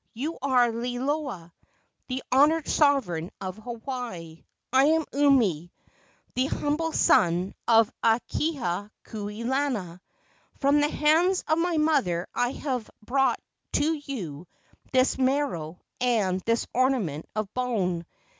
You are Liloa, the honored sovereign of Hawaii. I am Umi, the humble son of Akahia kuleana. From the hands of my mother I have brought to you this maro and this ornament of bone.